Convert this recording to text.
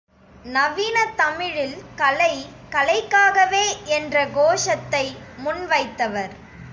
நவீன தமிழில் கலை கலைக்காகவே என்ற கோஷத்தை முன் வைத்தவர்.